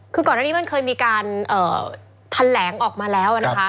คือก่อนหน้านี้มันเคยมีการทันแหลงออกมาแล้วนะครับ